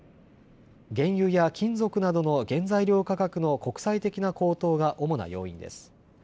原油や金属などの原材料価格の国際的な高騰が主な要因です。